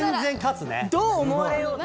どう思われようと。